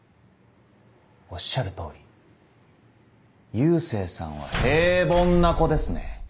おっしゃる通り佑星さんは平凡な子ですね。